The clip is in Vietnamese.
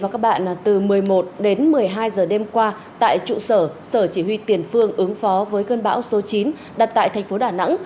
cảm ơn các bạn đã theo dõi